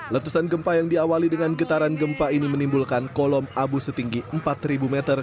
letusan gempa yang diawali dengan getaran gempa ini menimbulkan kolom abu setinggi empat meter